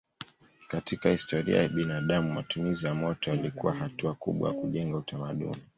Katika historia ya binadamu matumizi ya moto yalikuwa hatua kubwa ya kujenga utamaduni.